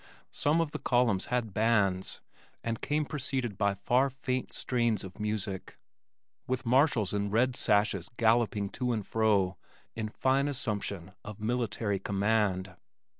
Some of the columns had bands and came preceded by far faint strains of music, with marshals in red sashes galloping to and fro in fine assumption of military command.